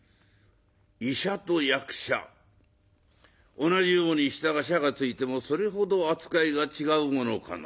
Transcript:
医者と役者同じように下が『者』がついてもそれほど扱いが違うものかな」。